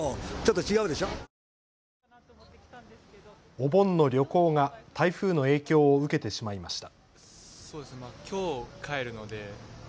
お盆の旅行が台風の影響を受けてしまいました。